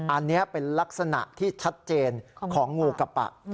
อันนี้เป็นลักษณะที่ชัดเจนของงูกระปะ